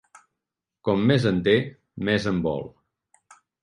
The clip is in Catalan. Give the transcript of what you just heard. Com més en té, més en vol.